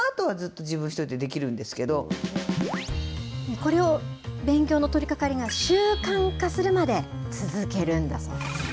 これを、勉強の取りかかりが習慣化するまで続けるんだそうです。